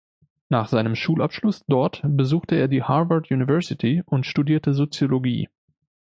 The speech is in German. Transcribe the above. Nach seinem Schulabschluss dort besuchte er die Harvard University und studierte Soziologie.